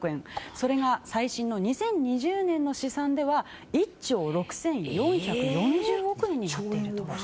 それが最新の２０２０年の試算では１兆６４４０億円になっていると。